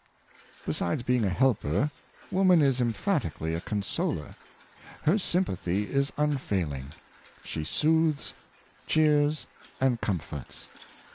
'' Besides being a helper, woman is emphatically a consoler. Her sympathy is unfailing. She soothes, cheers, and comforts.